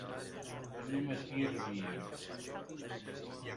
Anem a Tírvia.